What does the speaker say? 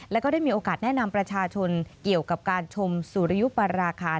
แล้วก็ได้มีโอกาสแนะนำประชาชนเกี่ยวกับการชมสุริยุปราคา